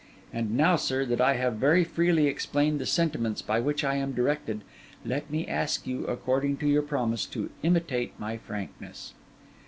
And now, sir, that I have very freely explained the sentiments by which I am directed, let me ask you, according to your promise, to imitate my frankness.